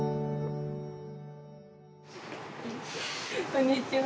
こんにちは。